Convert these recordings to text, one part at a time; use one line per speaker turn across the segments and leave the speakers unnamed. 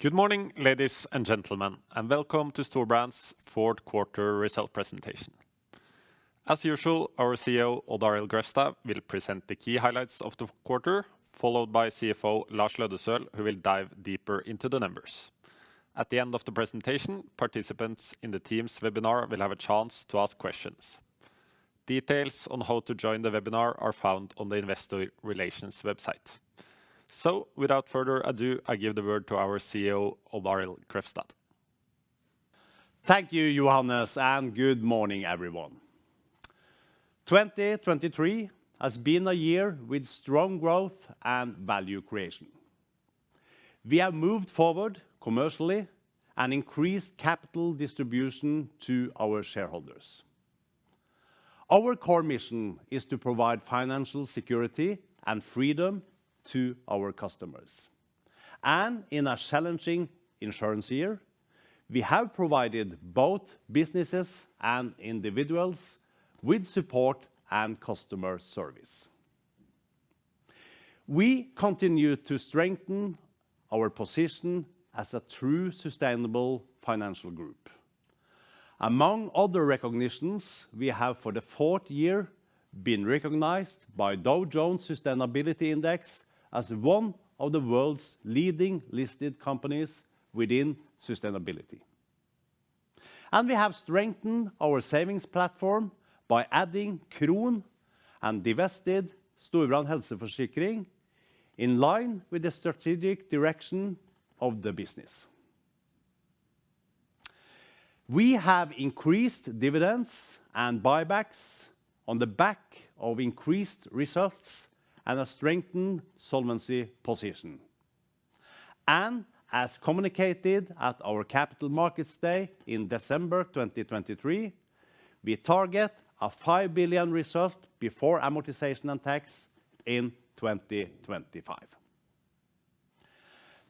Good morning, ladies and gentlemen, and welcome to Storebrand's Fourth Quarter Result Presentation. As usual, our CEO, Odd Arild Grefstad, will present the key highlights of the quarter, followed by CFO Lars Løddesøl, who will dive deeper into the numbers. At the end of the presentation, participants in the Teams webinar will have a chance to ask questions. Details on how to join the webinar are found on the Investor Relations website. Without further ado, I give the word to our CEO, Odd Arild Grefstad.
Thank you, Johannes, and good morning, everyone. 2023 has been a year with strong growth and value creation. We have moved forward commercially and increased capital distribution to our shareholders. Our core mission is to provide financial security and freedom to our customers, and in a challenging insurance year, we have provided both businesses and individuals with support and customer service. We continue to strengthen our position as a true sustainable financial group. Among other recognitions, we have for the fourth year been recognized by Dow Jones Sustainability Index as one of the world's leading listed companies within sustainability. We have strengthened our savings platform by adding Kron and divested Storebrand Helseforsikring, in line with the strategic direction of the business. We have increased dividends and buybacks on the back of increased results and a strengthened solvency position. As communicated at our Capital Markets Day in December 2023, we target a 5 billion result before amortization and tax in 2025.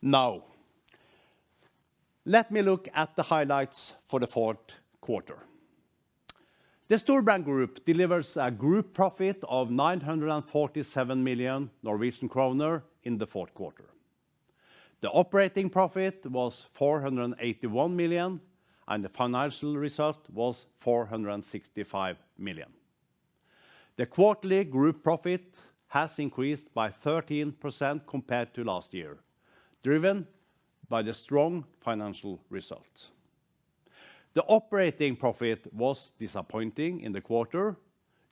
Now, let me look at the highlights for the fourth quarter. The Storebrand Group delivers a group profit of 947 million Norwegian kroner in the fourth quarter. The operating profit was 481 million, and the financial result was 465 million. The quarterly group profit has increased by 13% compared to last year, driven by the strong financial results. The operating profit was disappointing in the quarter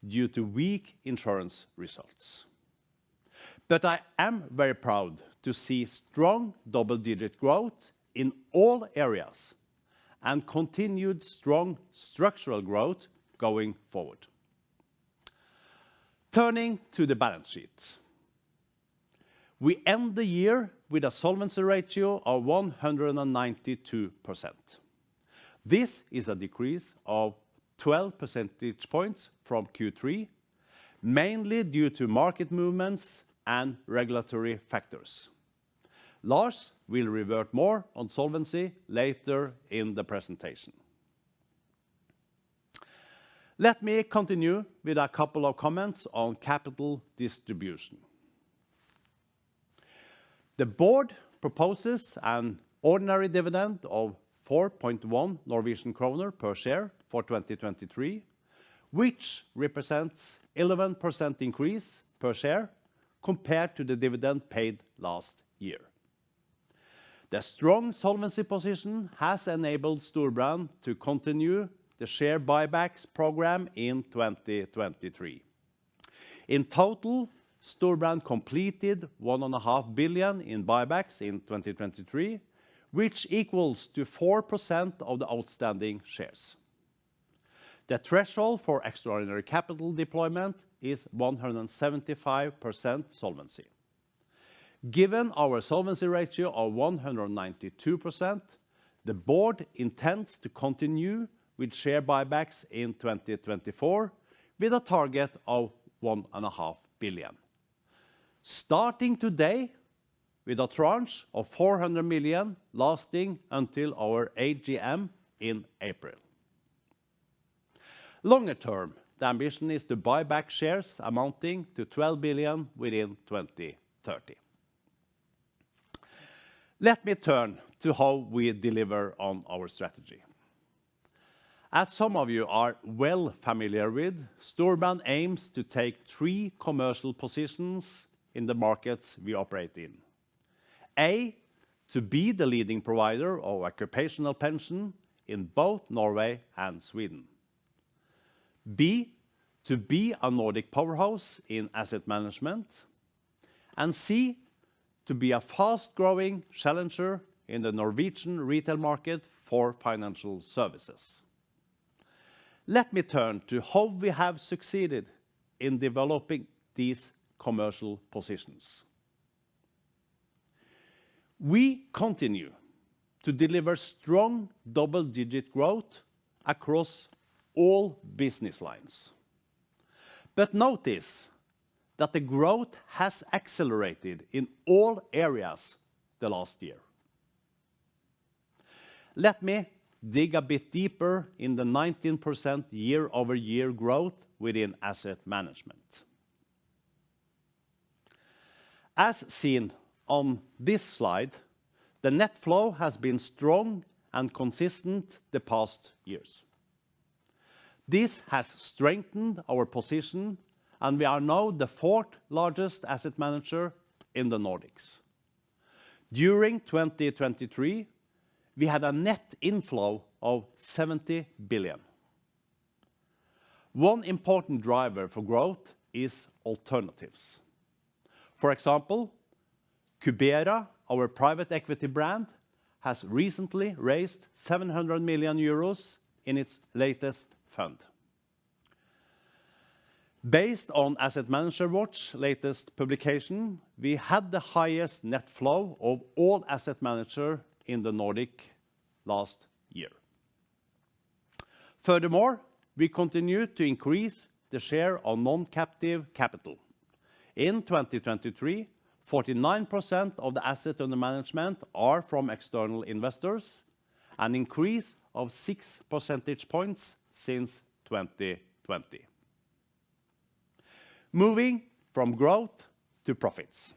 due to weak insurance results. But I am very proud to see strong double-digit growth in all areas and continued strong structural growth going forward. Turning to the balance sheet. We end the year with a solvency ratio of 192%. This is a decrease of 12 percentage points from Q3, mainly due to market movements and regulatory factors. Lars will revert more on solvency later in the presentation. Let me continue with a couple of comments on capital distribution. The board proposes an ordinary dividend of 4.1 Norwegian kroner per share for 2023, which represents 11% increase per share compared to the dividend paid last year. The strong solvency position has enabled Storebrand to continue the share buybacks program in 2023. In total, Storebrand completed 1.5 billion in buybacks in 2023, which equals to 4% of the outstanding shares. The threshold for extraordinary capital deployment is 175% solvency. Given our solvency ratio of 192%, the board intends to continue with share buybacks in 2024, with a target of 1.5 billion, starting today with a tranche of 400 million lasting until our AGM in April. Longer term, the ambition is to buy back shares amounting to 12 billion within 2030. Let me turn to how we deliver on our strategy. As some of you are well familiar with, Storebrand aims to take three commercial positions in the markets we operate in. A, to be the leading provider of occupational pension in both Norway and Sweden. B, to be a Nordic powerhouse in asset management, and C, to be a fast-growing challenger in the Norwegian retail market for financial services. Let me turn to how we have succeeded in developing these commercial positions. We continue to deliver strong double-digit growth across all business lines. But notice that the growth has accelerated in all areas the last year. Let me dig a bit deeper in the 19% year-over-year growth within asset management. As seen on this slide, the net flow has been strong and consistent the past years. This has strengthened our position, and we are now the fourth largest asset manager in the Nordics. During 2023, we had a net inflow of 70 billion. One important driver for growth is alternatives. For example, Cubera, our private equity brand, has recently raised 700 million euros in its latest fund. Based on Asset Manager Watch latest publication, we had the highest net flow of all asset manager in the Nordics last year. Furthermore, we continued to increase the share of non-captive capital. In 2023, 49% of the assets under management are from external investors, an increase of 6 percentage points since 2020. Moving from growth to profits.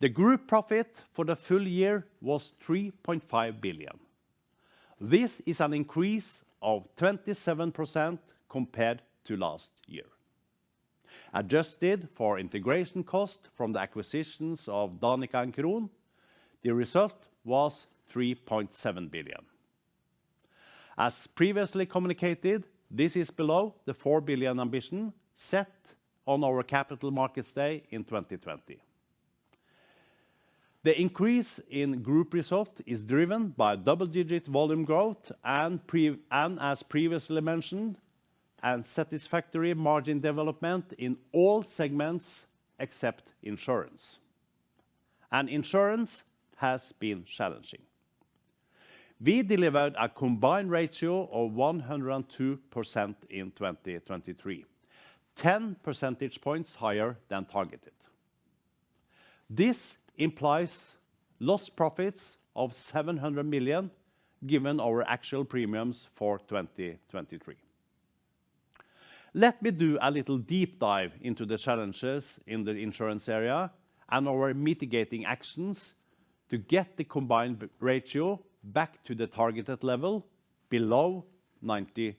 The group profit for the full year was 3.5 billion. This is an increase of 27% compared to last year. Adjusted for integration cost from the acquisitions of Danica and Kron, the result was 3.7 billion. As previously communicated, this is below the 4 billion ambition set on our Capital Markets Day in 2020. The increase in group result is driven by double-digit volume growth and pre- and as previously mentioned, and satisfactory margin development in all segments except insurance, and insurance has been challenging. We delivered a combined ratio of 102% in 2023, 10 percentage points higher than targeted. This implies lost profits of 700 million, given our actual premiums for 2023. Let me do a little deep dive into the challenges in the insurance area and our mitigating actions to get the combined ratio back to the targeted level below 92%.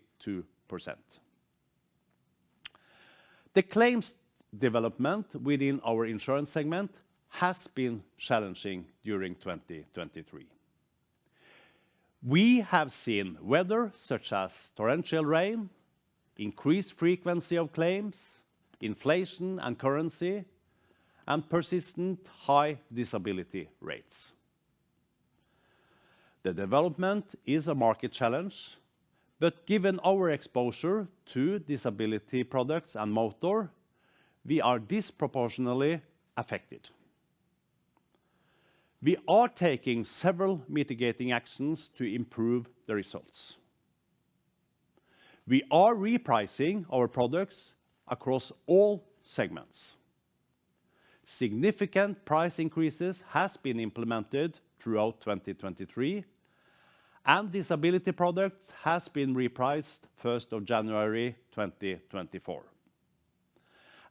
The claims development within our insurance segment has been challenging during 2023. We have seen weather, such as torrential rain, increased frequency of claims, inflation and currency, and persistent high disability rates. The development is a market challenge, but given our exposure to disability products and motor, we are disproportionately affected. We are taking several mitigating actions to improve the results. We are repricing our products across all segments. Significant price increases has been implemented throughout 2023, and disability products has been repriced first of January, 2024,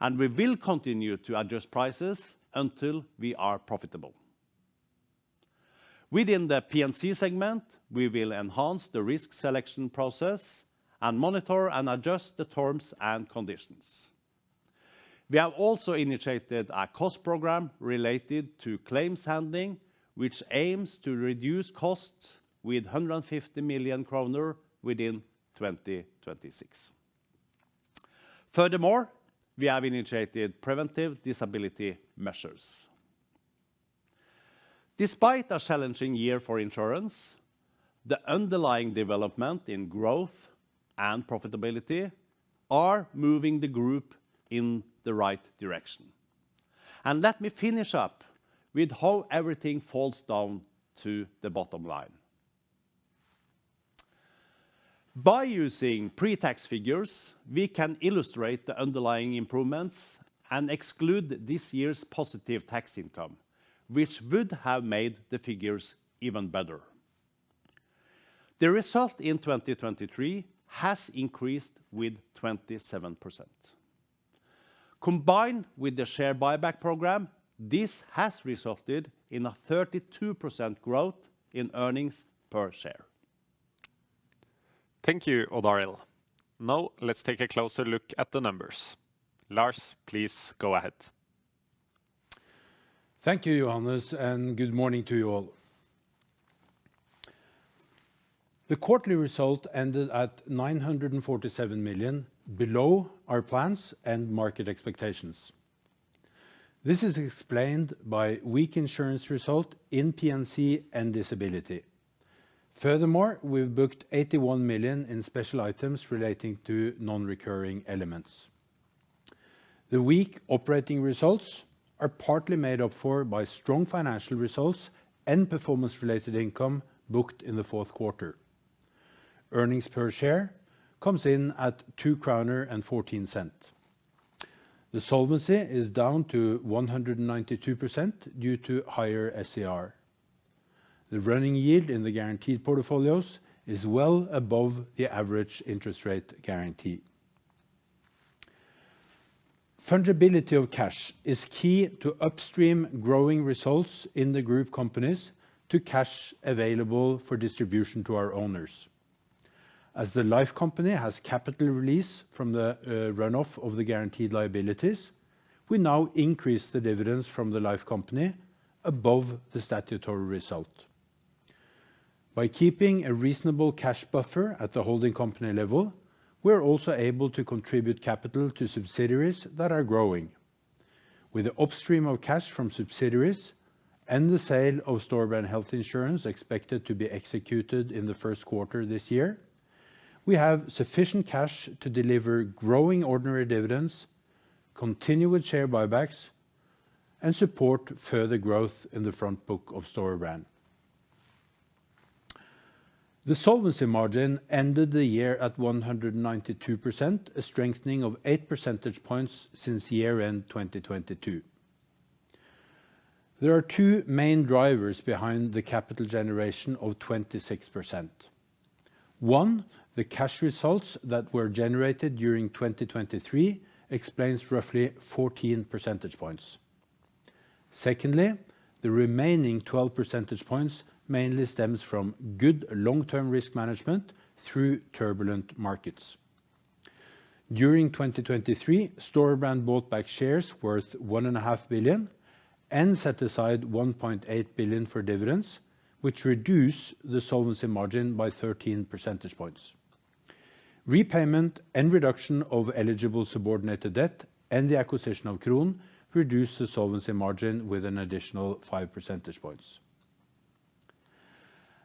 and we will continue to adjust prices until we are profitable. Within the P&C segment, we will enhance the risk selection process and monitor and adjust the terms and conditions. We have also initiated a cost program related to claims handling, which aims to reduce costs with 150 million kroner within 2026. Furthermore, we have initiated preventive disability measures. Despite a challenging year for insurance, the underlying development in growth and profitability are moving the group in the right direction. Let me finish up with how everything falls down to the bottom line. By using pre-tax figures, we can illustrate the underlying improvements and exclude this year's positive tax income, which would have made the figures even better. The result in 2023 has increased with 27%. Combined with the share buyback program, this has resulted in a 32% growth in earnings per share.
Thank you, Odd Arild. Now, let's take a closer look at the numbers. Lars, please go ahead.
Thank you, Johannes, and good morning to you all. The quarterly result ended at 947 million, below our plans and market expectations. This is explained by weak insurance result in P&C and disability. Furthermore, we've booked 81 million in special items relating to non-recurring elements. The weak operating results are partly made up for by strong financial results and performance-related income booked in the fourth quarter. Earnings per share comes in at 2.14. The solvency is down to 192% due to higher SCR. The running yield in the guaranteed portfolios is well above the average interest rate guarantee. Fundability of cash is key to upstream growing results in the group companies to cash available for distribution to our owners. As the life company has capital release from the runoff of the guaranteed liabilities, we now increase the dividends from the life company above the statutory result. By keeping a reasonable cash buffer at the holding company level, we are also able to contribute capital to subsidiaries that are growing. With the upstream of cash from subsidiaries and the sale of Storebrand Health Insurance expected to be executed in the first quarter this year, we have sufficient cash to deliver growing ordinary dividends, continue with share buybacks, and support further growth in the front book of Storebrand. The solvency margin ended the year at 192%, a strengthening of 8 percentage points since year end 2022. There are two main drivers behind the capital generation of 26%. One, the cash results that were generated during 2023 explains roughly 14 percentage points. Secondly, the remaining 12 percentage points mainly stems from good long-term risk management through turbulent markets. During 2023, Storebrand bought back shares worth 1.5 billion and set aside 1.8 billion for dividends, which reduce the solvency margin by 13 percentage points. Repayment and reduction of eligible subordinated debt and the acquisition of Kron reduced the solvency margin with an additional 5 percentage points.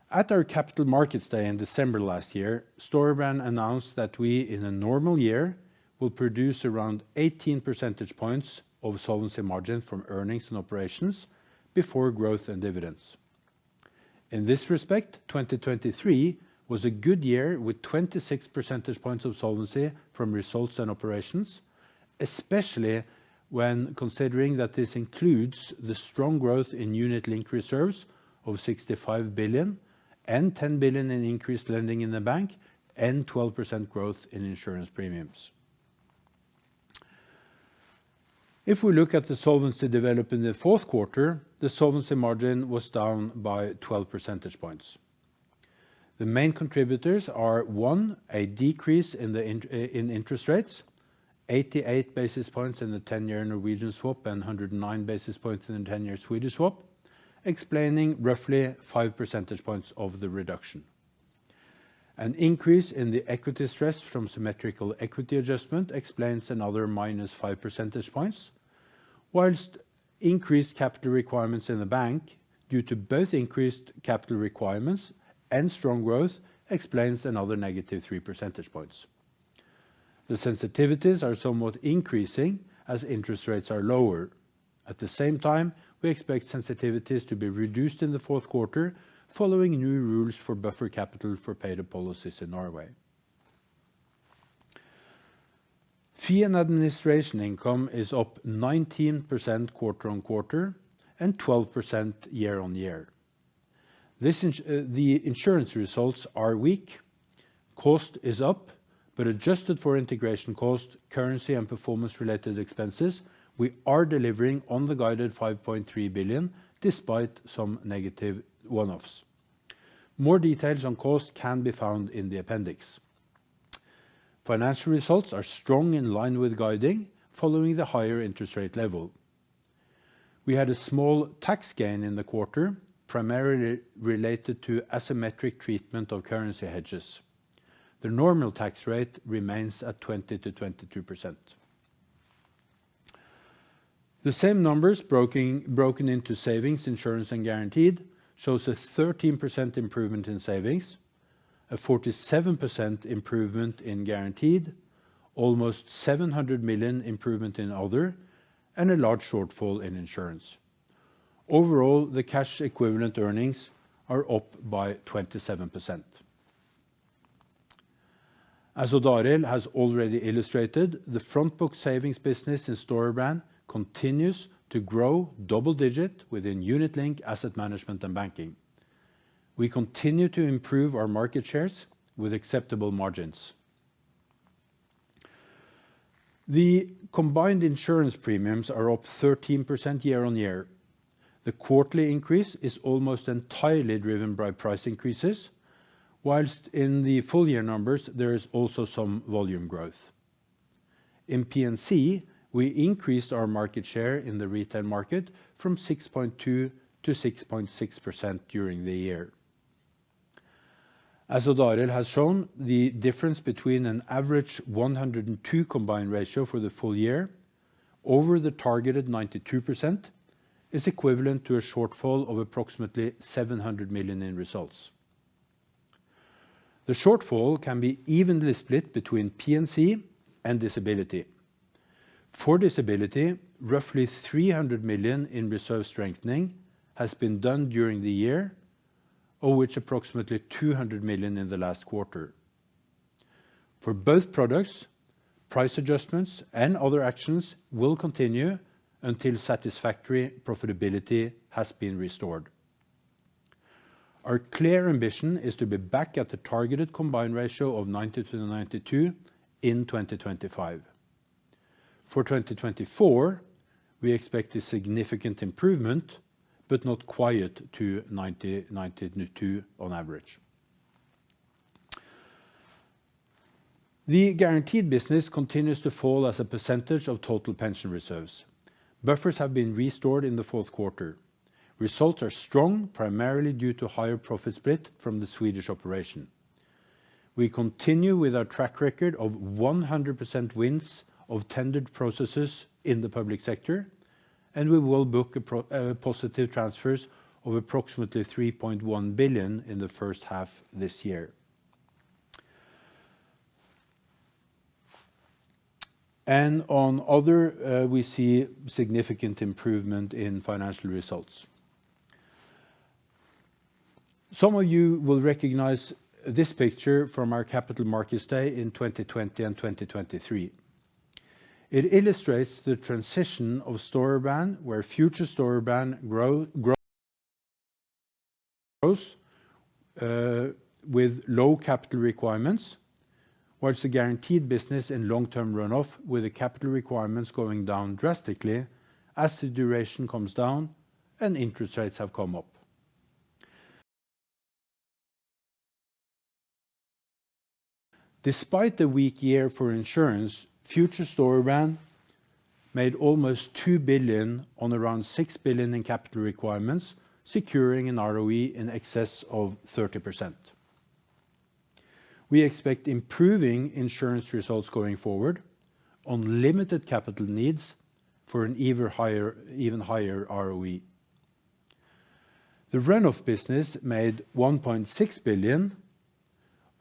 At our Capital Markets Day in December last year, Storebrand announced that we, in a normal year, will produce around 18 percentage points of solvency margin from earnings and operations before growth and dividends. In this respect, 2023 was a good year, with 26 percentage points of solvency from results and operations, especially when considering that this includes the strong growth in unit-linked reserves of 65 billion and 10 billion in increased lending in the bank, and 12% growth in insurance premiums. If we look at the solvency development in the fourth quarter, the solvency margin was down by 12 percentage points. The main contributors are, one, a decrease in interest rates, 88 basis points in the 10-year Norwegian swap and 109 basis points in the 10-year Swedish swap, explaining roughly 5 percentage points of the reduction. An increase in the equity stress from symmetrical equity adjustment explains another -5 percentage points, while increased capital requirements in the bank, due to both increased capital requirements and strong growth, explains another negative 3 percentage points. The sensitivities are somewhat increasing as interest rates are lower. At the same time, we expect sensitivities to be reduced in the fourth quarter, following new rules for buffer capital for paid-up policies in Norway. Fee and administration income is up 19% quarter-on-quarter and 12% year-on-year. The insurance results are weak. Cost is up, but adjusted for integration cost, currency and performance-related expenses, we are delivering on the guided 5.3 billion, despite some negative one-offs. More details on cost can be found in the appendix. Financial results are strong, in line with guiding, following the higher interest rate level. We had a small tax gain in the quarter, primarily related to asymmetric treatment of currency hedges. The normal tax rate remains at 20%-22%. The same numbers broking, broken into savings, insurance, and guaranteed, shows a 13% improvement in savings, a 47% improvement in guaranteed, almost 700 million improvement in other, and a large shortfall in insurance. Overall, the cash equivalent earnings are up by 27%. As Odd Arild has already illustrated, the front book savings business in Storebrand continues to grow double-digit within unit-linked, asset management, and banking. We continue to improve our market shares with acceptable margins. The combined insurance premiums are up 13% year-on-year. The quarterly increase is almost entirely driven by price increases, while in the full year numbers, there is also some volume growth. In P&C, we increased our market share in the retail market from 6.2%-6.6% during the year. As Odd Arild has shown, the difference between an average 102 combined ratio for the full year over the targeted 92%, is equivalent to a shortfall of approximately 700 million in results. The shortfall can be evenly split between P&C and disability. For disability, roughly 300 million in reserve strengthening has been done during the year, of which approximately 200 million in the last quarter.... For both products, price adjustments and other actions will continue until satisfactory profitability has been restored. Our clear ambition is to be back at the targeted combined ratio of 90%-92% in 2025. For 2024, we expect a significant improvement, but not quite to 90-92 on average. The guaranteed business continues to fall as a percentage of total pension reserves. Buffers have been restored in the fourth quarter. Results are strong, primarily due to higher profit split from the Swedish operation. We continue with our track record of 100% wins of tendered processes in the public sector, and we will book approximately positive transfers of approximately 3.1 billion in the first half this year. And on other, we see significant improvement in financial results. Some of you will recognize this picture from our Capital Markets Day in 2020 and 2023. It illustrates the transition of Storebrand, where future Storebrand grow, grow, grows, with low capital requirements, whilst the guaranteed business in long-term run-off, with the capital requirements going down drastically as the duration comes down and interest rates have come up. Despite the weak year for insurance, future Storebrand made almost 2 billion on around 6 billion in capital requirements, securing an ROE in excess of 30%. We expect improving insurance results going forward on limited capital needs for an even higher, even higher ROE. The run-off business made 1.6 billion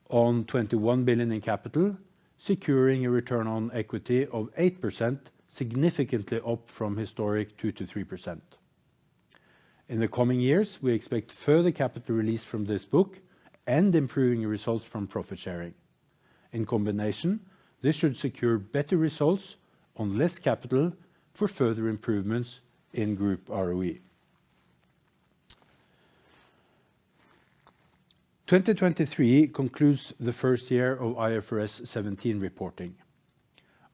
on 21 billion in capital, securing a return on equity of 8%, significantly up from historic 2%-3%. In the coming years, we expect further capital release from this book and improving results from profit sharing. In combination, this should secure better results on less capital for further improvements in group ROE. 2023 concludes the first year of IFRS 17 reporting.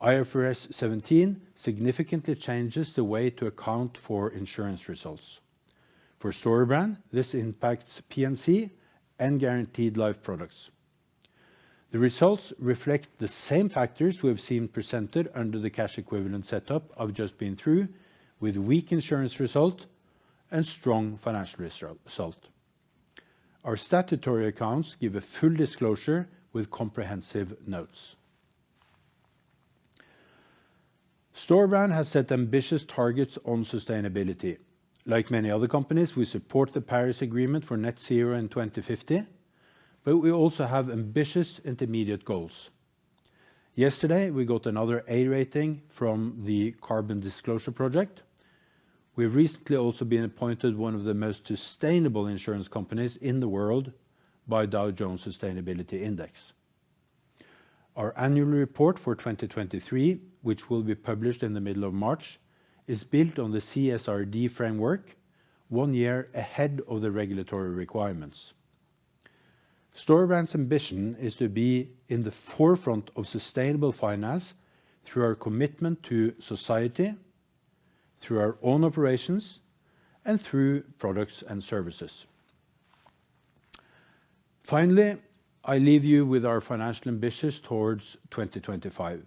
IFRS 17 significantly changes the way to account for insurance results. For Storebrand, this impacts P&C and guaranteed life products. The results reflect the same factors we have seen presented under the cash equivalent setup I've just been through, with weak insurance result and strong financial result, result. Our statutory accounts give a full disclosure with comprehensive notes. Storebrand has set ambitious targets on sustainability. Like many other companies, we support the Paris Agreement for net zero in 2050, but we also have ambitious intermediate goals. Yesterday, we got another A rating from the Carbon Disclosure Project. We've recently also been appointed one of the most sustainable insurance companies in the world by Dow Jones Sustainability Index. Our annual report for 2023, which will be published in the middle of March, is built on the CSRD framework, one year ahead of the regulatory requirements. Storebrand's ambition is to be in the forefront of sustainable finance through our commitment to society, through our own operations, and through products and services. Finally, I leave you with our financial ambitions towards 2025.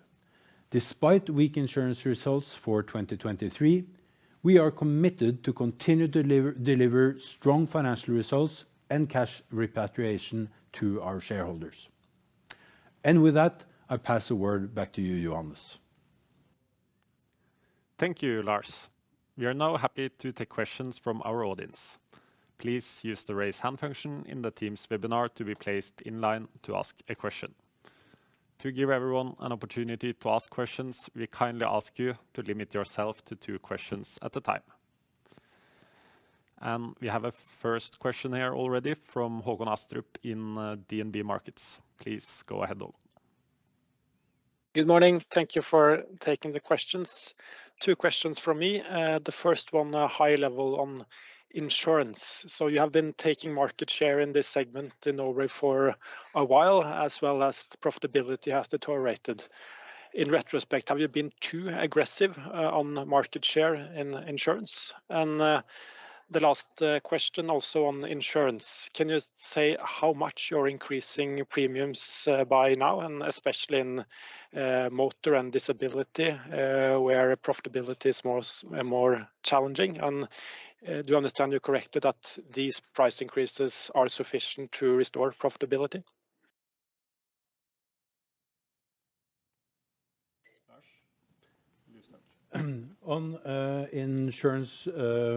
Despite weak insurance results for 2023, we are committed to continue deliver, deliver strong financial results and cash repatriation to our shareholders. With that, I pass the word back to you, Johannes.
Thank you, Lars. We are now happy to take questions from our audience. Please use the Raise Hand function in the team's webinar to be placed in line to ask a question. To give everyone an opportunity to ask questions, we kindly ask you to limit yourself to two questions at a time. We have a first question here already from Håkon Astrup in DNB Markets. Please go ahead, Håkon.
Good morning. Thank you for taking the questions. Two questions from me. The first one, a high level on insurance. So you have been taking market share in this segment in Norway for a while, as well as profitability has deteriorated. In retrospect, have you been too aggressive on market share in insurance? And the last question, also on insurance, can you say how much you're increasing premiums by now, and especially in motor and disability, where profitability is more challenging? And do I understand you correctly, that these price increases are sufficient to restore profitability?...
On insurance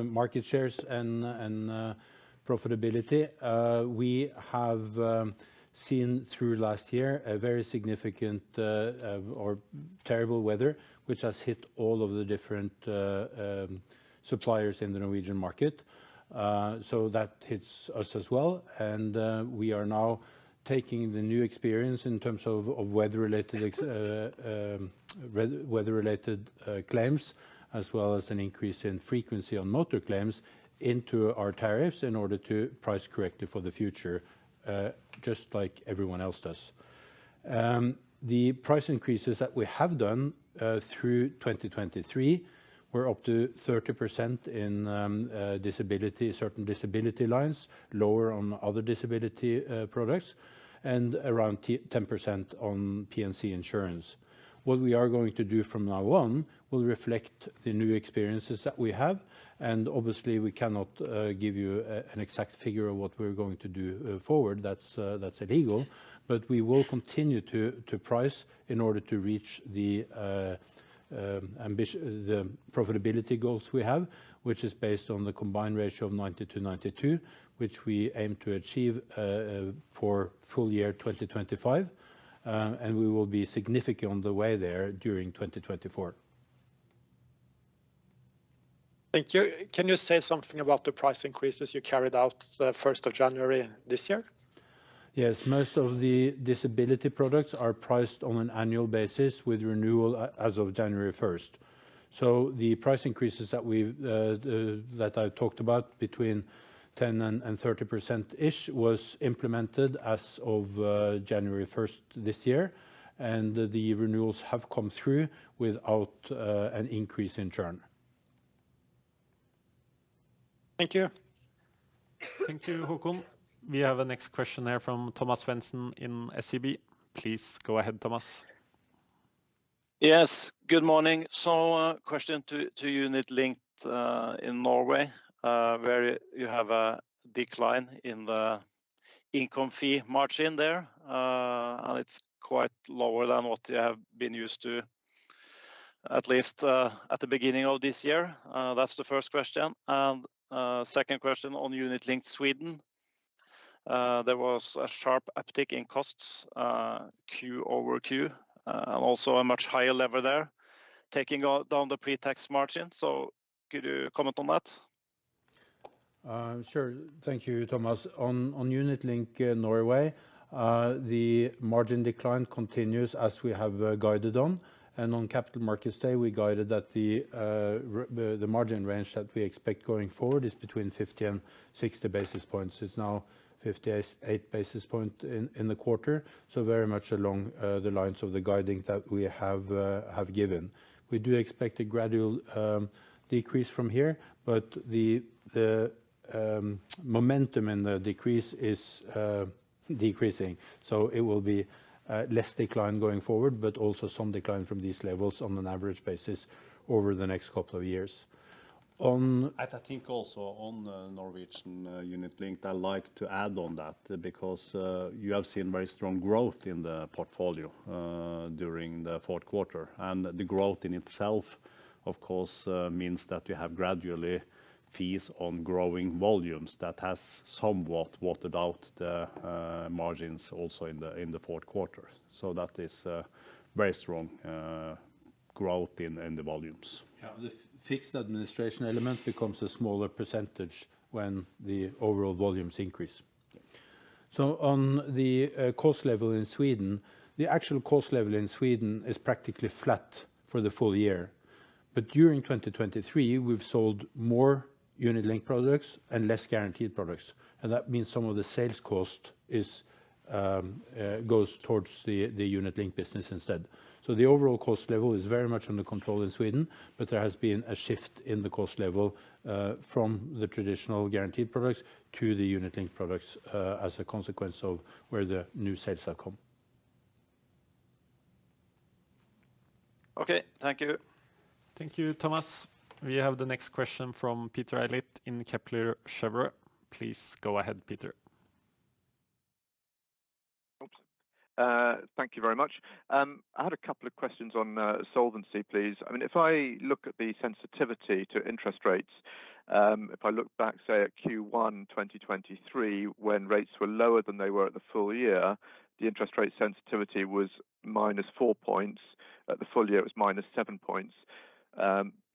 market shares and profitability, we have seen through last year a very significant or terrible weather, which has hit all of the different suppliers in the Norwegian market. So that hits us as well, and we are now taking the new experience in terms of weather-related claims, as well as an increase in frequency on motor claims into our tariffs in order to price correct it for the future, just like everyone else does. The price increases that we have done through 2023 were up to 30% in disability, certain disability lines, lower on other disability products, and around 10% on P&C Insurance. What we are going to do from now on will reflect the new experiences that we have, and obviously, we cannot give you a, an exact figure of what we're going to do, forward. That's, that's illegal. But we will continue to, to price in order to reach the, the profitability goals we have, which is based on the combined ratio of 90-92, which we aim to achieve, for full year 2025. And we will be significant on the way there during 2024.
Thank you. Can you say something about the price increases you carried out the first of January this year?
Yes, most of the disability products are priced on an annual basis with renewal as of January first. So the price increases that we've that I talked about between 10% and 30%-ish was implemented as of January first this year, and the renewals have come through without an increase in churn.
Thank you.
Thank you, Håkon. We have a next question here from Thomas Svendsen in SEB. Please go ahead, Thomas.
Yes, good morning. So, question to Unit-Linked in Norway, where you have a decline in the income fee margin there, and it's quite lower than what you have been used to, at least at the beginning of this year. That's the first question. Second question on Unit-Linked Sweden. There was a sharp uptick in costs quarter-over-quarter, and also a much higher level there, taking down the pre-tax margin. So could you comment on that?
Sure. Thank you, Thomas. On unit-linked in Norway, the margin decline continues as we have guided on, and on Capital Markets Day, we guided that the margin range that we expect going forward is between 50 and 60 basis points. It's now 58 basis points in the quarter, so very much along the lines of the guiding that we have given. We do expect a gradual decrease from here, but the momentum in the decrease is decreasing, so it will be less decline going forward, but also some decline from these levels on an average basis over the next couple of years.
I think also on the Norwegian unit-linked, I'd like to add on that, because you have seen very strong growth in the portfolio during the fourth quarter. And the growth in itself, of course, means that you have gradually fees on growing volumes that has somewhat watered out the margins also in the fourth quarter. So that is a very strong growth in the volumes.
Yeah, the fixed administration element becomes a smaller percentage when the overall volumes increase. So on the cost level in Sweden, the actual cost level in Sweden is practically flat for the full year. But during 2023, we've sold more unit link products and less guaranteed products, and that means some of the sales cost goes towards the unit link business instead. So the overall cost level is very much under control in Sweden, but there has been a shift in the cost level from the traditional guaranteed products to the unit link products as a consequence of where the new sales are come.
Okay, thank you.
Thank you, Thomas. We have the next question from Peter Eliot in the Kepler Cheuvreux. Please go ahead, Peter.
Thank you very much. I had a couple of questions on solvency, please. I mean, if I look at the sensitivity to interest rates, if I look back, say, at Q1 2023, when rates were lower than they were at the full year, the interest rate sensitivity was minus 4 points. At the full year, it was minus 7 points,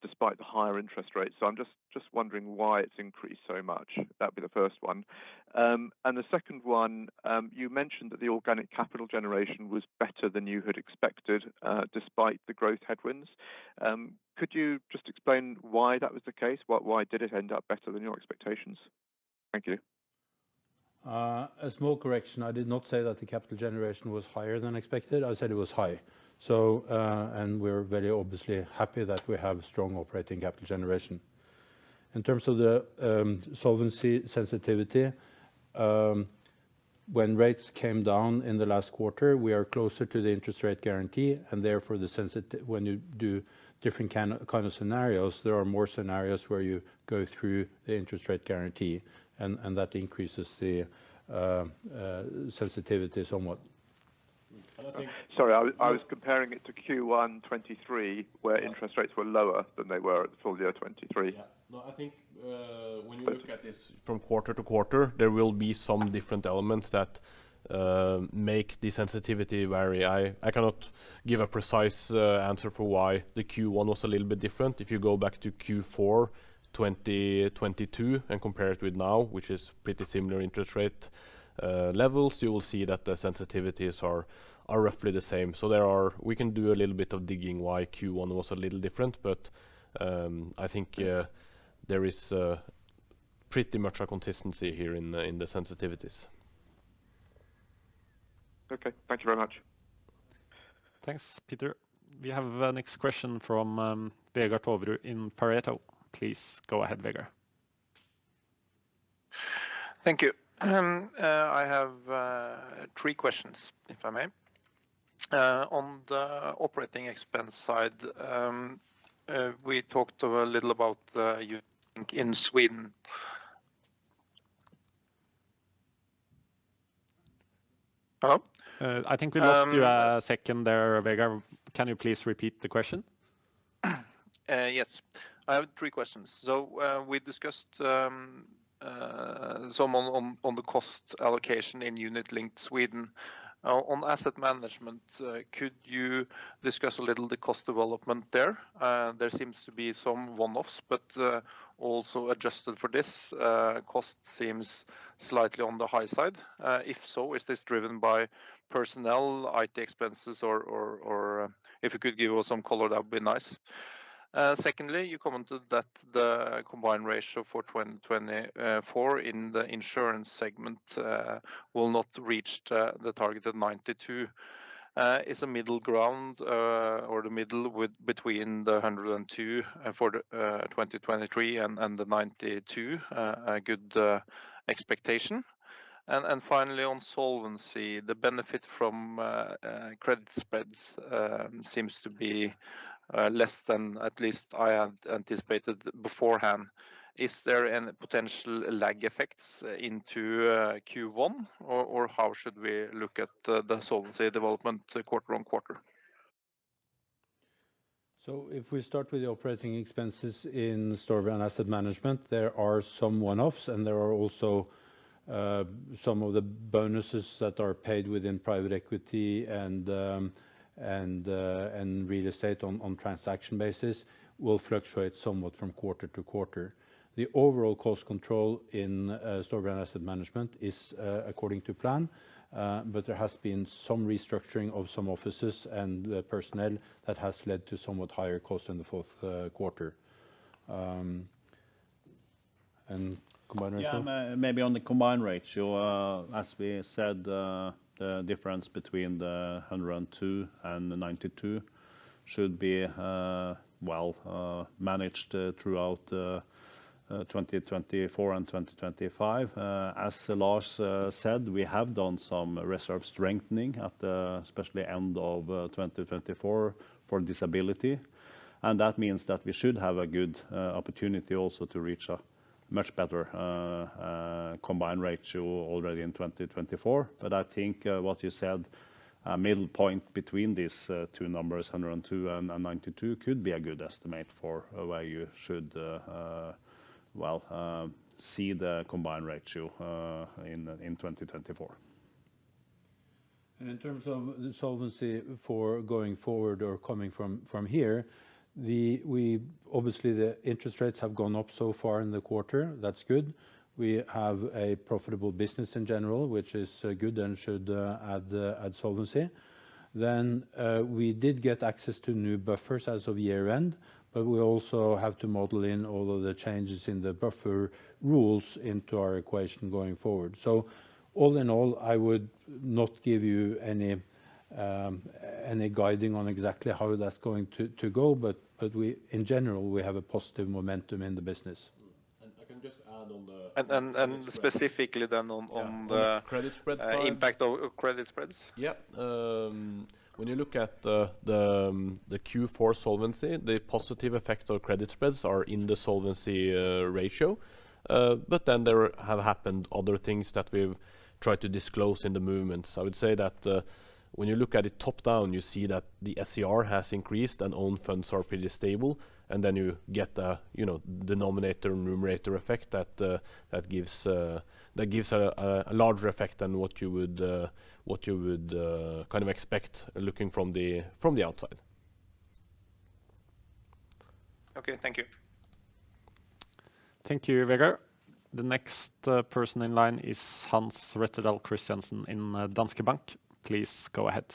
despite the higher interest rates. So I'm just wondering why it's increased so much. That'd be the first one. And the second one, you mentioned that the organic capital generation was better than you had expected, despite the growth headwinds. Could you just explain why that was the case? Why did it end up better than your expectations? Thank you.
A small correction. I did not say that the capital generation was higher than expected. I said it was high. So, and we're very obviously happy that we have strong operating capital generation. In terms of the solvency sensitivity, when rates came down in the last quarter, we are closer to the interest rate guarantee, and therefore, when you do different kind of scenarios, there are more scenarios where you go through the interest rate guarantee, and that increases the sensitivity somewhat. ...
I think, sorry, I was comparing it to Q1 2023, where interest rates were lower than they were at Full Year 2023.
Yeah. No, I think, when you look at this from quarter to quarter, there will be some different elements that, make the sensitivity vary. I, I cannot give a precise, answer for why the Q1 was a little bit different. If you go back to Q4, 2022 and compare it with now, which is pretty similar interest rate, levels, you will see that the sensitivities are, are roughly the same. So there are-- we can do a little bit of digging why Q1 was a little different, but, I think, there is, pretty much a consistency here in the, in the sensitivities.
Okay, thank you very much.
Thanks, Peter. We have the next question from Vegard Toverud in Pareto. Please go ahead, Vegard.
Thank you. I have three questions, if I may. On the operating expense side, we talked a little about you in Sweden. Hello?
I think we lost you, a second there, Vegard. Can you please repeat the question?
Yes. I have three questions. So, we discussed some on the cost allocation in unit-linked Sweden. On asset management, could you discuss a little the cost development there? There seems to be some one-offs, but also adjusted for this, cost seems slightly on the high side. If so, is this driven by personnel, IT expenses, or if you could give us some color, that would be nice. Secondly, you commented that the combined ratio for 2024 in the insurance segment will not reach the target of 92. Is a middle ground or the middle with between the 102 for the 2023 and the 92 a good expectation? And finally, on solvency, the benefit from credit spreads seems to be less than at least I had anticipated beforehand. Is there any potential lag effects into Q1? Or how should we look at the solvency development quarter on quarter?
So if we start with the operating expenses in Storebrand Asset Management, there are some one-offs, and there are also some of the bonuses that are paid within private equity and real estate on transaction basis will fluctuate somewhat from quarter to quarter. The overall cost control in Storebrand Asset Management is according to plan, but there has been some restructuring of some offices and personnel that has led to somewhat higher cost in the fourth quarter. And combined ratio?
Yeah, maybe on the combined ratio, as we said, the difference between the 102 and the 92 should be, well, managed throughout, 2024 and 2025. As Lars said, we have done some reserve strengthening at the, especially end of, 2024 for disability, and that means that we should have a good opportunity also to reach a much better, combined ratio already in 2024. But I think, what you said, a middle point between these, two numbers, 102 and, and 92, could be a good estimate for where you should, well, see the combined ratio, in, in 2024.
In terms of the solvency for going forward or coming from here, obviously, the interest rates have gone up so far in the quarter. That's good. We have a profitable business in general, which is good and should add solvency. Then, we did get access to new buffers as of year-end, but we also have to model in all of the changes in the buffer rules into our equation going forward. So all in all, I would not give you any guidance on exactly how that's going to go, but we, in general, have a positive momentum in the business. And I can just add on the-
Specifically, then on the-
Yeah, credit spreads part....
impact of credit spreads.
Yeah. When you look at the Q4 solvency, the positive effect of credit spreads are in the solvency ratio. But then there have happened other things that we've tried to disclose in the movements. I would say that when you look at it top-down, you see that the SCR has increased and own funds are pretty stable, and then you get a, you know, denominator and numerator effect that gives a larger effect than what you would kind of expect, looking from the outside.
Okay. Thank you.
Thank you, Vegard. The next person in line is Hans Rettedal Christiansen in Danske Bank. Please go ahead.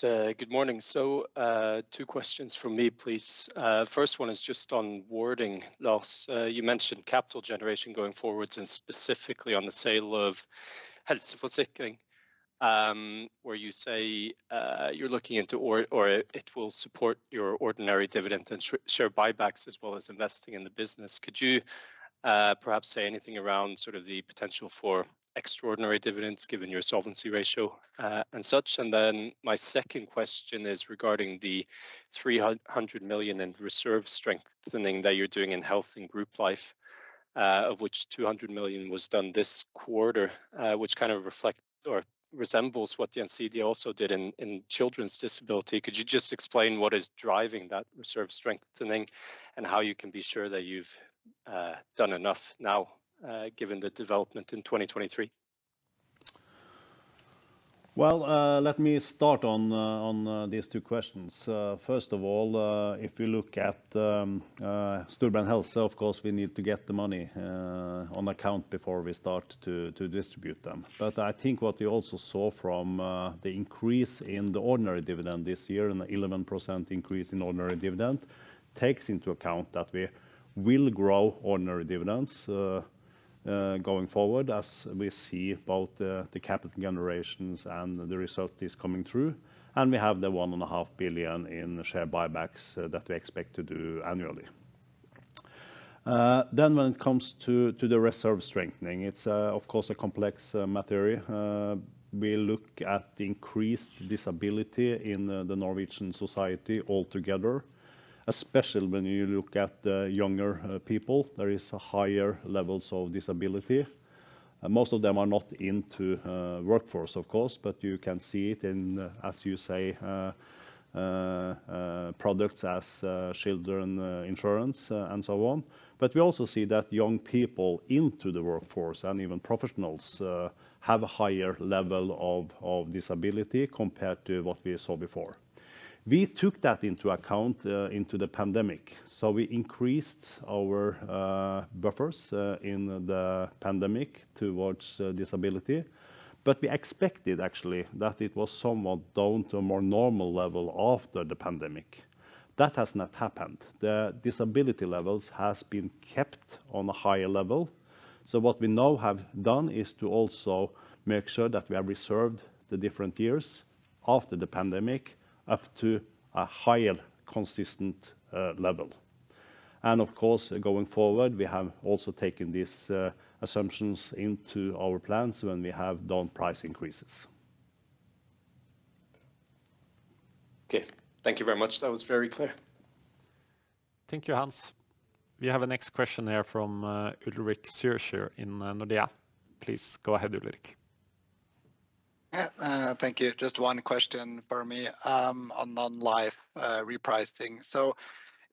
Good morning. Two questions from me, please. First one is just on wording, Lars. You mentioned capital generation going forward, and specifically on the sale of Helseforsikring, where you say you're looking into or it will support your ordinary dividend and share buybacks as well as investing in the business. Could you perhaps say anything around sort of the potential for extraordinary dividends, given your solvency ratio, and such? And then my second question is regarding the 300 million in reserve strengthening that you're doing in health and group life, of which 200 million was done this quarter, which kind of reflects or resembles what the NCD also did in children's disability. Could you just explain what is driving that reserve strengthening, and how you can be sure that you've done enough now, given the development in 2023?...
Well, let me start on these two questions. First of all, if you look at Storebrand Health, so of course, we need to get the money on account before we start to distribute them. But I think what we also saw from the increase in the ordinary dividend this year, and the 11% increase in ordinary dividend, takes into account that we will grow ordinary dividends going forward as we see both the capital generations and the result is coming through, and we have the 1.5 billion in share buybacks that we expect to do annually. Then when it comes to the reserve strengthening, it's of course, a complex matter. We look at the increased disability in the Norwegian society altogether. Especially when you look at the younger people, there is higher levels of disability. Most of them are not into workforce, of course, but you can see it in, as you say, products as children insurance, and so on. But we also see that young people into the workforce and even professionals have a higher level of disability compared to what we saw before. We took that into account into the pandemic, so we increased our buffers in the pandemic towards disability. But we expected, actually, that it was somewhat down to a more normal level after the pandemic. That has not happened. The disability levels has been kept on a higher level, so what we now have done is to also make sure that we have reserved the different years after the pandemic, up to a higher, consistent, level. And of course, going forward, we have also taken these, assumptions into our plans when we have done price increases.
Okay, thank you very much. That was very clear.
Thank you, Hans. We have a next question here from Ulrik Zürschmitten in Nordea. Please go ahead, Ulrich.
Yeah, thank you. Just one question for me, on non-life, repricing. So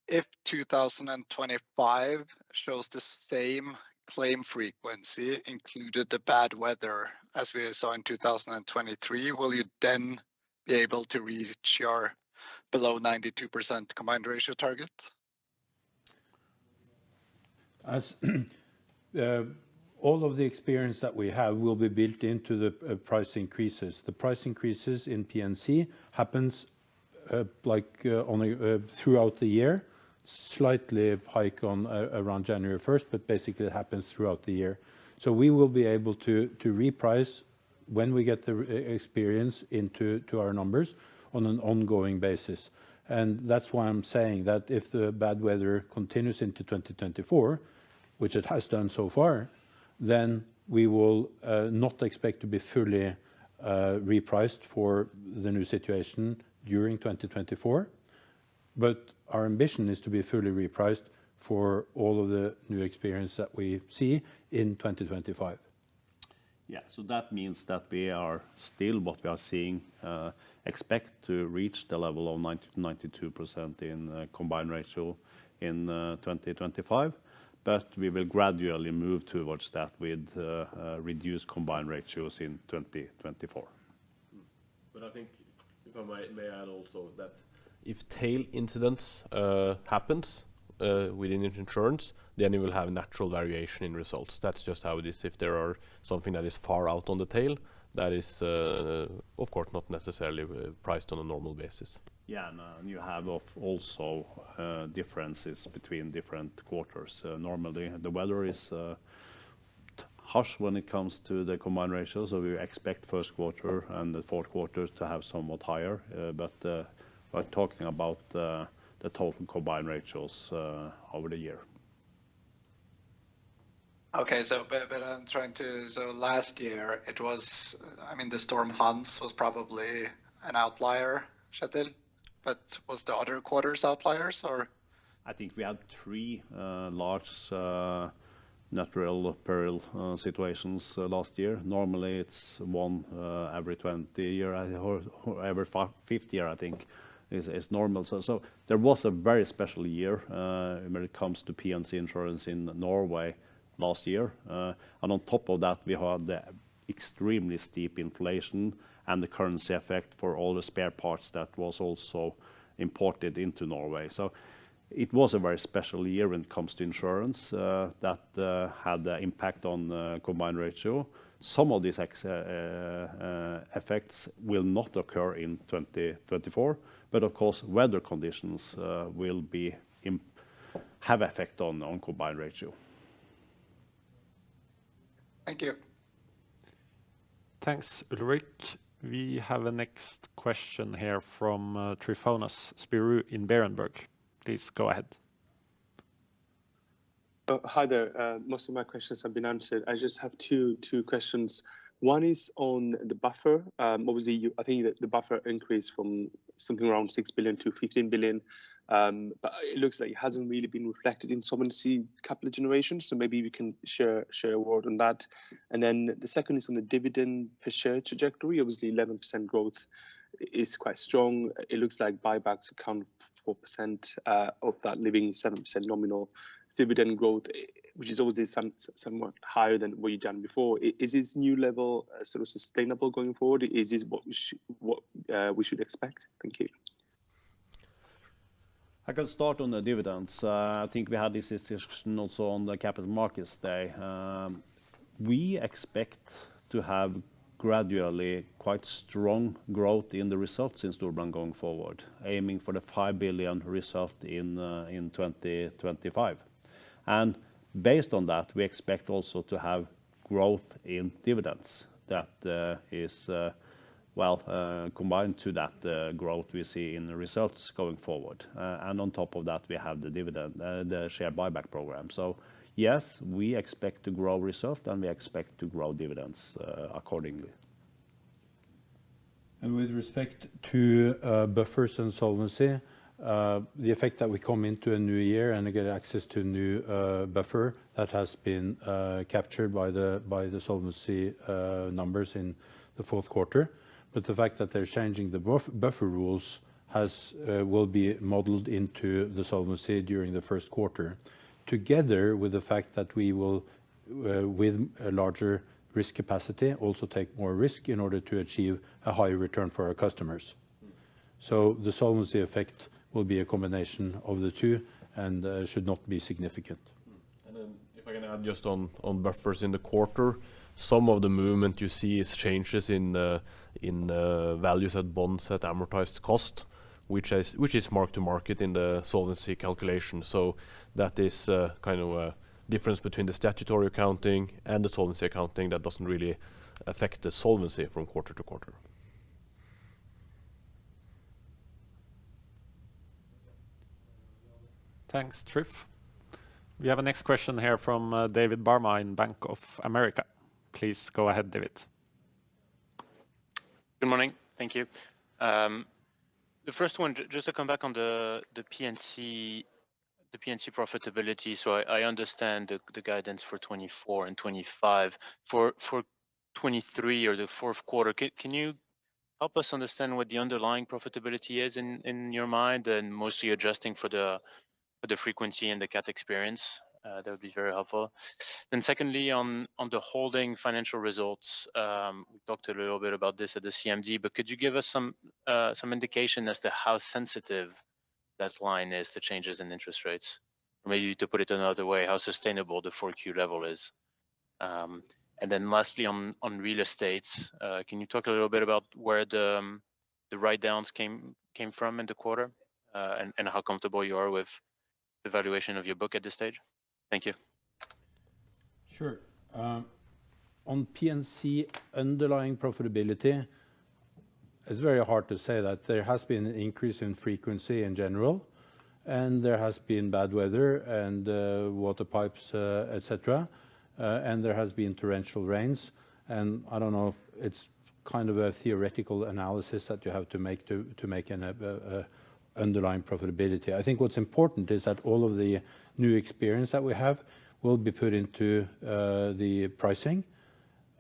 if 2025 shows the same claim frequency, included the bad weather as we saw in 2023, will you then be able to reach your below 92% combined ratio target?
As all of the experience that we have will be built into the price increases. The price increases in P&C happens like only throughout the year, slight hike on around January 1st, but basically it happens throughout the year. So we will be able to reprice when we get the experience into to our numbers on an ongoing basis. And that's why I'm saying that if the bad weather continues into 2024, which it has done so far, then we will not expect to be fully repriced for the new situation during 2024. But our ambition is to be fully repriced for all of the new experience that we see in 2025.
Yeah, so that means that we are still expect to reach the level of 90%-92% in Combined Ratio in 2025, but we will gradually move towards that with reduced combined ratios in 2024.
But I think, may I add also, that if tail incidents happens within insurance, then you will have natural variation in results. That's just how it is. If there are something that is far out on the tail, that is, of course, not necessarily priced on a normal basis.
Yeah, and you also have differences between different quarters. Normally, the weather is harsh when it comes to the Combined Ratio, so we expect first quarter and the fourth quarter to have somewhat higher, but we're talking about the total Combined Ratios over the year.
Okay, but I'm trying to— So last year, it was, I mean, the Storm Hans was probably an outlier, Kjetil, but was the other quarters outliers, or?
I think we had three large natural peril situations last year. Normally, it's one every 20 year, I think, or every 50 year, I think is normal. So there was a very special year when it comes to P&C insurance in Norway last year. And on top of that, we had the extremely steep inflation and the currency effect for all the spare parts that was also imported into Norway. So it was a very special year when it comes to insurance that had a impact on the combined ratio. Some of these effects will not occur in 2024, but of course, weather conditions will have effect on combined ratio.
Thank you.
Thanks, Ulrich. We have a next question here from Tryfonas Spyrou in Berenberg. Please go ahead.
Hi there. Most of my questions have been answered. I just have two questions. One is on the buffer. Obviously, I think that the buffer increased from something around 6 billion to 15 billion, but it looks like it hasn't really been reflected in solvency capital generation, so maybe we can share a word on that. Then the second is on the dividend per share trajectory. Obviously, 11% growth is quite strong. It looks like buybacks account for percent of that leaving 7% nominal dividend growth, which is obviously somewhat higher than what you've done before. Is this new level sort of sustainable going forward? Is this what we should expect? Thank you. ...
I can start on the dividends. I think we had this discussion also on the Capital Markets Day. We expect to have gradually quite strong growth in the results in Storebrand going forward, aiming for the 5 billion result in 2025. And based on that, we expect also to have growth in dividends that is well combined to that growth we see in the results going forward. And on top of that, we have the dividend, the share buyback program. Yes, we expect to grow result, and we expect to grow dividends accordingly.
With respect to buffers and solvency, the effect that we come into a new year and get access to a new buffer that has been captured by the solvency numbers in the fourth quarter. But the fact that they're changing the buffer rules has will be modeled into the solvency during the first quarter, together with the fact that we will with a larger risk capacity also take more risk in order to achieve a higher return for our customers.
Mm.
The solvency effect will be a combination of the two and should not be significant. And then, if I can add just on buffers in the quarter, some of the movement you see is changes in the values at bonds at amortized cost, which is mark to market in the solvency calculation. So that is kind of a difference between the statutory accounting and the solvency accounting that doesn't really affect the solvency from quarter to quarter.
Thanks, Triff. We have a next question here from David Barma in Bank of America. Please go ahead, David.
Good morning. Thank you. The first one, just to come back on the, the P&C, the P&C profitability. So I, I understand the, the guidance for 2024 and 2025. For, for 2023 or the fourth quarter, can you help us understand what the underlying profitability is in, in your mind, and mostly adjusting for the, for the frequency and the cat experience? That would be very helpful. Then secondly, on, on the holding financial results, we talked a little bit about this at the CMD, but could you give us some, some indication as to how sensitive that line is to changes in interest rates? Or maybe to put it another way, how sustainable the Q4 level is. And then lastly, on real estate, can you talk a little bit about where the write-downs came from in the quarter, and how comfortable you are with the valuation of your book at this stage? Thank you.
Sure. On P&C underlying profitability, it's very hard to say that there has been an increase in frequency in general, and there has been bad weather and water pipes, et cetera, and there has been torrential rains. I don't know if it's kind of a theoretical analysis that you have to make to make an underlying profitability. I think what's important is that all of the new experience that we have will be put into the pricing.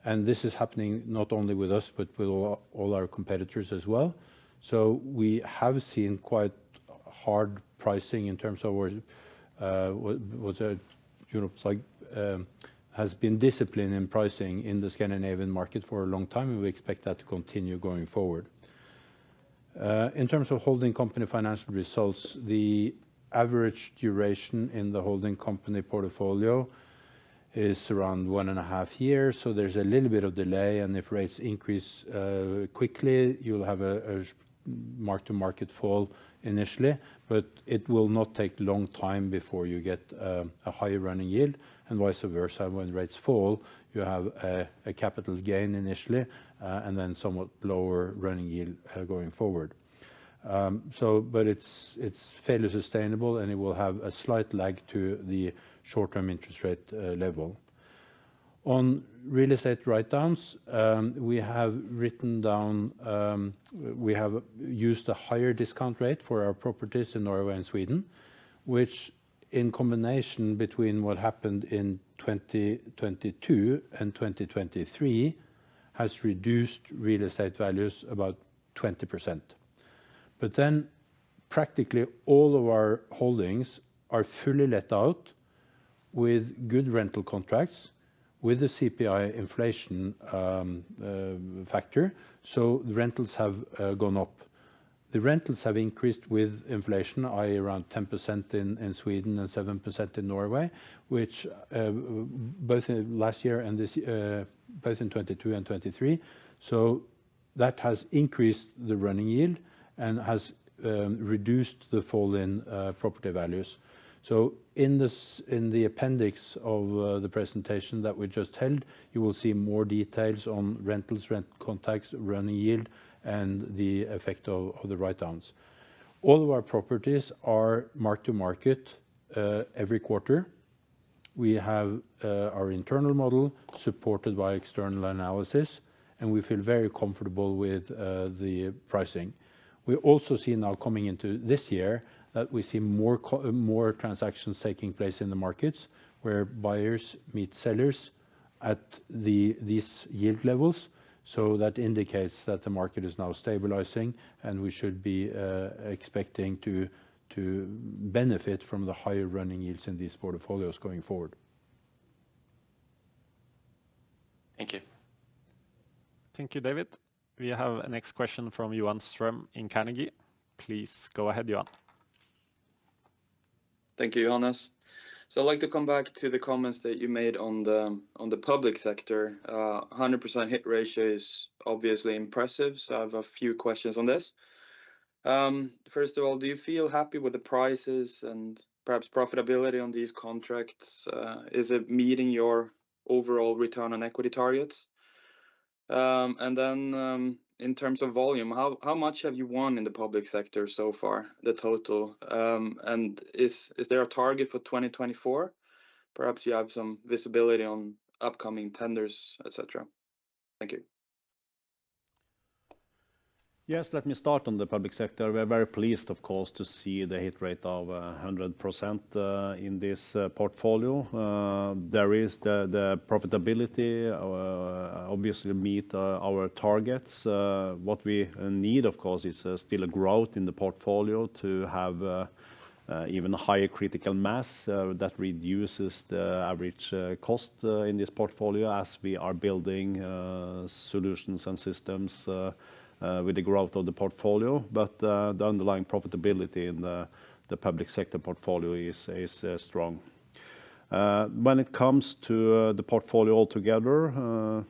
And this is happening not only with us, but with all our competitors as well. We have seen quite hard pricing in terms of where what you know like has been disciplined in pricing in the Scandinavian market for a long time, and we expect that to continue going forward. In terms of holding company financial results, the average duration in the holding company portfolio is around 1.5 years, so there's a little bit of delay, and if rates increase quickly, you'll have a mark to market fall initially. But it will not take long time before you get a higher running yield, and vice versa. When rates fall, you have a capital gain initially, and then somewhat lower running yield going forward. So but it's fairly sustainable, and it will have a slight lag to the short-term interest rate level. On real estate write downs, we have written down. We have used a higher discount rate for our properties in Norway and Sweden, which in combination between what happened in 2022 and 2023, has reduced real estate values about 20%. But then, practically all of our holdings are fully let out with good rental contracts, with the CPI inflation factor, so the rentals have gone up. The rentals have increased with inflation, i.e., around 10% in Sweden and 7% in Norway, which both in last year and this year, both in 2022 and 2023. So that has increased the running yield and has reduced the fall in property values. So in this, in the appendix of the presentation that we just held, you will see more details on rentals, rent contracts, running yield, and the effect of the write downs. All of our properties are mark to market every quarter. We have our internal model supported by external analysis, and we feel very comfortable with the pricing. We also see now coming into this year, that we see more transactions taking place in the markets, where buyers meet sellers at the, these yield levels. So that indicates that the market is now stabilizing, and we should be expecting to benefit from the higher running yields in these portfolios going forward....
Thank you.
Thank you, David. We have our next question from Johan Strøm in Carnegie. Please go ahead, Johan.
Thank you, Johannes. So I'd like to come back to the comments that you made on the public sector. A 100% hit ratio is obviously impressive, so I have a few questions on this. First of all, do you feel happy with the prices and perhaps profitability on these contracts? Is it meeting your overall return on equity targets? And then, in terms of volume, how much have you won in the public sector so far, the total? And is there a target for 2024? Perhaps you have some visibility on upcoming tenders, et cetera. Thank you.
Yes, let me start on the public sector. We are very pleased, of course, to see the hit rate of 100% in this portfolio. There is the profitability obviously meet our targets. What we need, of course, is still a growth in the portfolio to have even higher critical mass that reduces the average cost in this portfolio as we are building solutions and systems with the growth of the portfolio. The underlying profitability in the public sector portfolio is strong. When it comes to the portfolio altogether,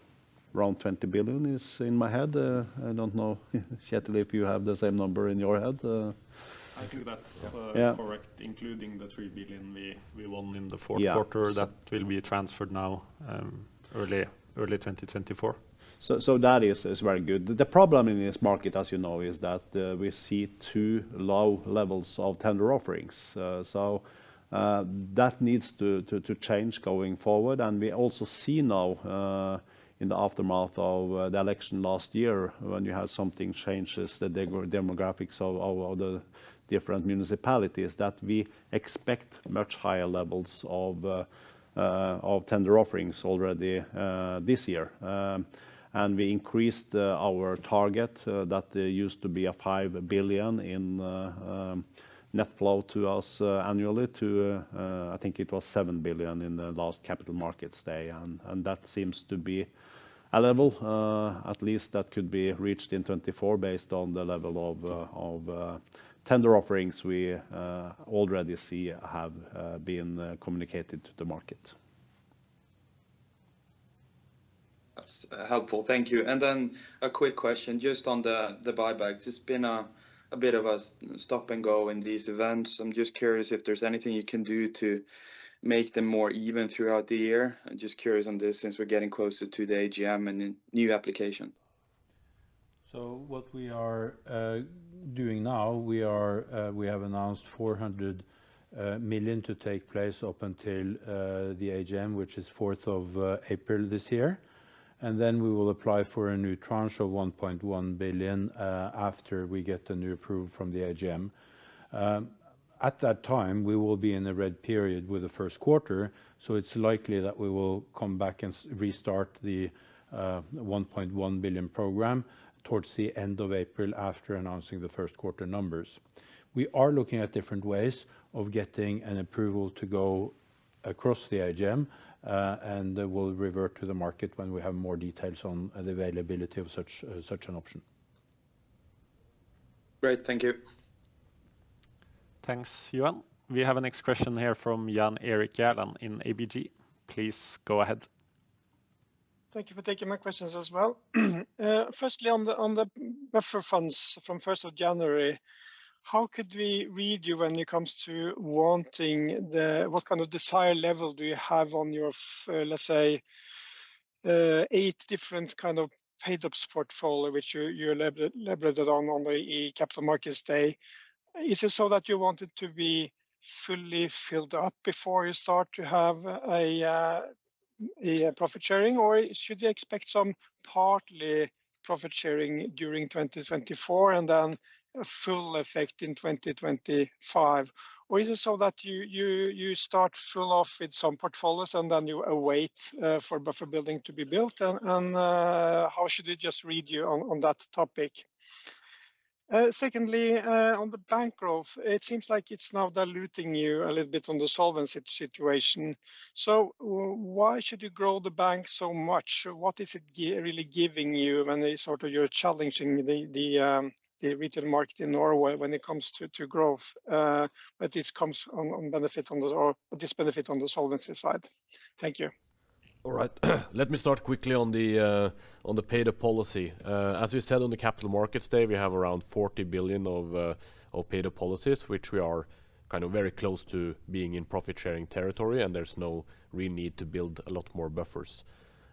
around 20 billion is in my head. I don't know, Kjetil, if you have the same number in your head.
I think that's,
Yeah...
correct, including the 3 billion we won in the fourth quarter-
Yeah
- that will be transferred now, early 2024.
So that is very good. The problem in this market, as you know, is that we see too low levels of tender offerings. So that needs to change going forward. And we also see now in the aftermath of the election last year, when you have something changes the demographics of the different municipalities, that we expect much higher levels of tender offerings already this year. And we increased our target that used to be 5 billion in net flow to us annually to I think it was 7 billion in the last capital markets day. That seems to be a level, at least, that could be reached in 2024, based on the level of of tender offerings we already see have been communicated to the market.
That's helpful. Thank you. And then a quick question, just on the buybacks. It's been a bit of a stop-and-go in these events. I'm just curious if there's anything you can do to make them more even throughout the year. I'm just curious on this, since we're getting closer to the AGM and the new application.
So what we are doing now, we have announced 400 million to take place up until the AGM, which is 4th of April this year. And then we will apply for a new tranche of 1.1 billion after we get the new approval from the AGM. At that time, we will be in a red period with the first quarter, so it's likely that we will come back and restart the 1.1 billion program towards the end of April, after announcing the first quarter numbers. We are looking at different ways of getting an approval to go across the AGM, and we'll revert to the market when we have more details on the availability of such an option.
Great. Thank you.
Thanks, Johan. We have our next question here from Jan Erik Gjerland in ABG. Please go ahead.
Thank you for taking my questions as well. Firstly, on the buffer funds from 1st of January, how could we read you when it comes to wanting the? What kind of desired level do you have on your, let's say, 8 different kind of paid-up portfolio, which you labeled on the Capital Markets Day? Is it so that you want it to be fully filled up before you start to have a profit sharing, or should you expect some partly profit sharing during 2024 and then a full effect in 2025? Or is it so that you start full off with some portfolios and then you await for buffer building to be built? And how should we just read you on that topic? Secondly, on the bank growth, it seems like it's now diluting you a little bit on the solvency situation. So why should you grow the bank so much? What is it really giving you when you sort of you're challenging the retail market in Norway when it comes to growth? But this comes on benefit on the... Or this benefit on the solvency side. Thank you.
All right. Let me start quickly on the paid-up policy. As we said on the Capital Markets Day, we have around 40 billion of paid-up policies, which we are kind of very close to being in profit-sharing territory, and there's no real need to build a lot more buffers.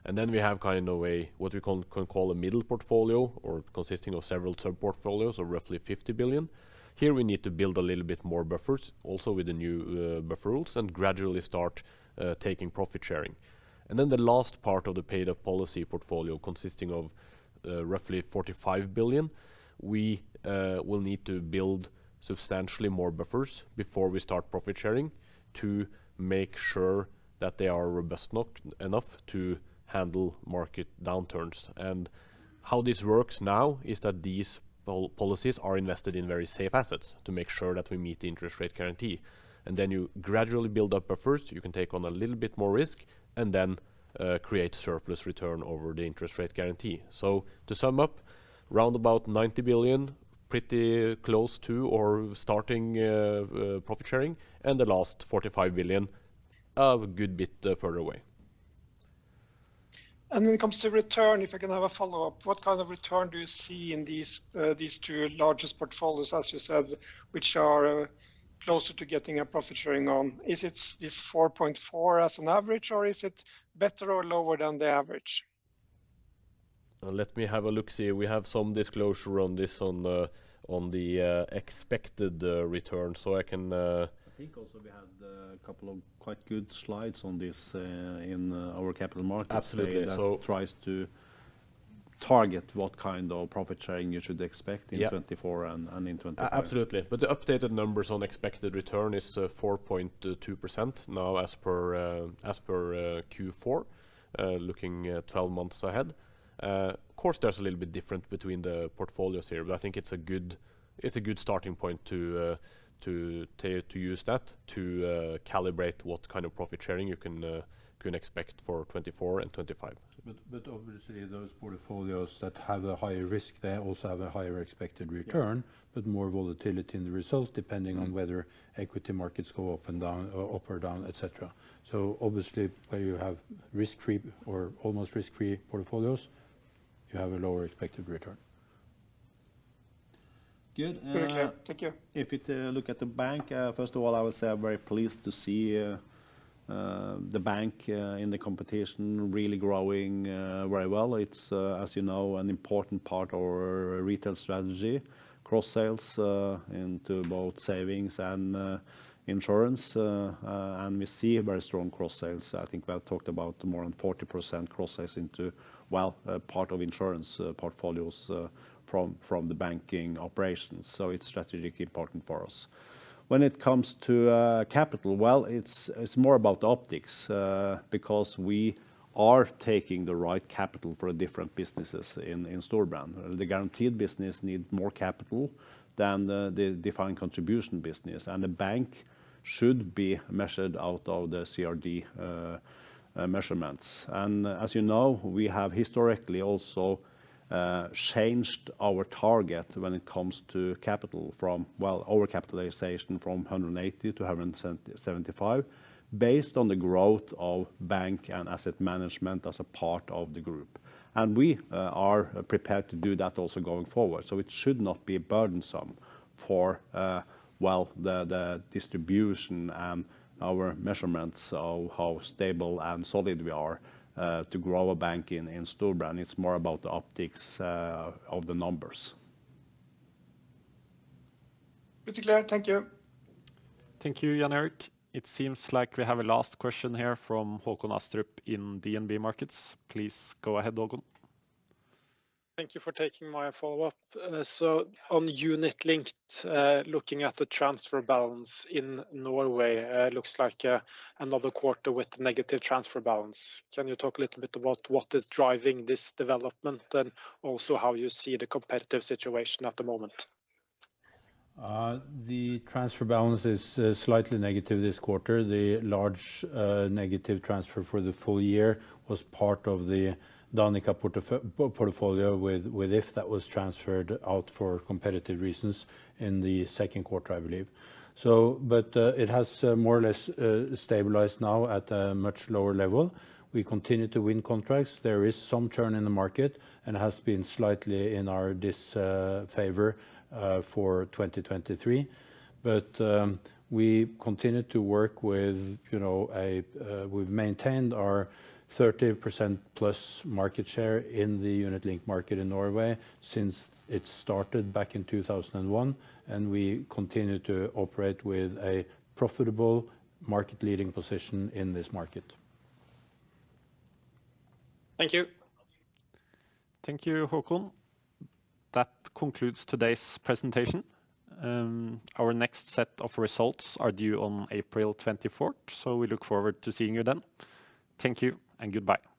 And then we have kind of a what you can call a middle portfolio consisting of several sub-portfolios, so roughly 50 billion. Here we need to build a little bit more buffers, also with the new buffer rules, and gradually start taking profit sharing. And then the last part of the paid-up policy portfolio consisting of roughly 45 billion, we will need to build substantially more buffers before we start profit sharing, to make sure that they are robust enough to handle market downturns. And how this works now is that these policies are invested in very safe assets to make sure that we meet the interest rate guarantee. And then you gradually build up buffers, you can take on a little bit more risk, and then create surplus return over the interest rate guarantee. So to sum up, round about 90 billion-... pretty close to or starting profit sharing, and the last 45 billion, a good bit further away.
When it comes to return, if I can have a follow-up, what kind of return do you see in these, these two largest portfolios, as you said, which are closer to getting a profit sharing on? Is it this 4.4 as an average, or is it better or lower than the average?
Let me have a look, see. We have some disclosure on this on the expected return, so I can-
I think also we had a couple of quite good slides on this, in our capital markets-
Absolutely. So-
That tries to target what kind of profit sharing you should expect-
Yeah
in 2024 and in 2025.
Absolutely. But the updated numbers on expected return is, four point two percent now, as per, as per, Q4, looking, twelve months ahead. Of course, there's a little bit different between the portfolios here, but I think it's a good, it's a good starting point to, to take, to use that, to, calibrate what kind of profit sharing you can, can expect for 2024 and 2025.
But obviously, those portfolios that have a higher risk, they also have a higher expected return, but more volatility in the results, depending on whether equity markets go up and down, or up or down, et cetera. So obviously, where you have risk-free or almost risk-free portfolios, you have a lower expected return.
Good, uh-
Very clear. Thank you.
If you look at the bank, first of all, I would say I'm very pleased to see the bank in the competition really growing very well. It's, as you know, an important part of our retail strategy, cross sales into both savings and insurance. And we see a very strong cross sales. I think we have talked about more than 40% cross sales into, well, part of insurance portfolios from the banking operations, so it's strategically important for us. When it comes to capital, well, it's more about optics because we are taking the right capital for the different businesses in Storebrand. The guaranteed business need more capital than the defined contribution business, and the bank should be measured out of the CRD measurements. And as you know, we have historically also changed our target when it comes to capital from overcapitalization from 180 to 175, based on the growth of bank and asset management as a part of the group. And we are prepared to do that also going forward, so it should not be burdensome for the distribution and our measurements of how stable and solid we are to grow a bank in Storebrand. It's more about the optics of the numbers.
Pretty clear. Thank you.
Thank you, Jan Erik. It seems like we have a last question here from Håkon Astrup in DNB Markets. Please go ahead, Håkon.
Thank you for taking my follow-up. So on unit-linked, looking at the transfer balance in Norway, looks like another quarter with negative transfer balance. Can you talk a little bit about what is driving this development, and also how you see the competitive situation at the moment?
The transfer balance is slightly negative this quarter. The large negative transfer for the full year was part of the Danica portfolio with IF that was transferred out for competitive reasons in the second quarter, I believe. It has more or less stabilized now at a much lower level. We continue to win contracts. There is some churn in the market and has been slightly in our disfavor for 2023. But we continue to work with, you know, a... We've maintained our 30%+ market share in the unit link market in Norway since it started back in 2001, and we continue to operate with a profitable market leading position in this market.
Thank you.
Thank you, Håkon. That concludes today's presentation. Our next set of results are due on April 24th, so we look forward to seeing you then. Thank you and goodbye.